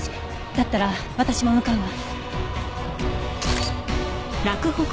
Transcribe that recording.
だったら私も向かうわ。